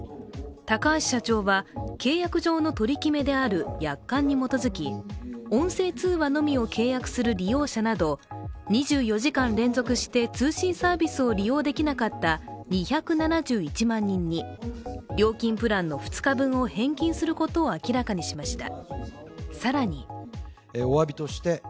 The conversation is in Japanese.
高橋社長は、契約上の取り決めである約款に基づき音声通話のみを契約する利用者など２４時間連続して通信サービスを利用できなかった２７１万人に料金プランの２日分を返金することを明らかにしました。